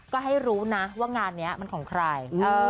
ก็ให้รู้นะว่างานนี้มันของใคร